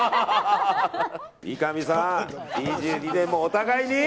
三上さん、２２年もお互いに。